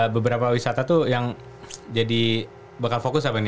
beberapa wisata itu yang jadi bakal fokus apa nih